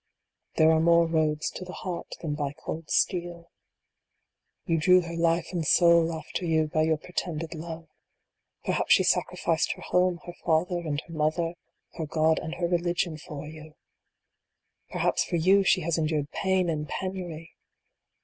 There are more roads to the heart than by cold steel. io6 THE AUTOGRAPH ON THE SOUL. You drew her life and soul after you by your pretended love. Perhaps she sacrificed her home, her father and her mother her God and her religion for you ! Perhaps for you she has endured pain and penury